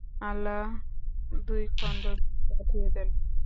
আল্লাহ দুই খণ্ড মেঘ পাঠিয়ে দেন।